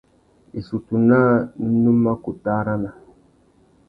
Issutu naā nu mà kutu arana.